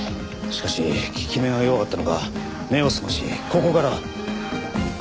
しかし効き目が弱かったのか目を覚ましここから。